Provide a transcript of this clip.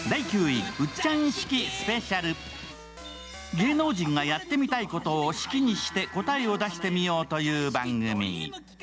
芸能人がやってみたいことを式にして答えを出してみようという番組。